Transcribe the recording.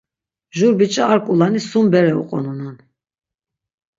Jur bič̣i ar ƙulani, sum bere uqonunan.